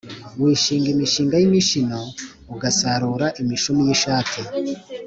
Wishinga imishinga y’imishino ugasarura imishumi y’ishati.